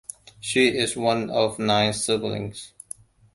She is one of nine siblings.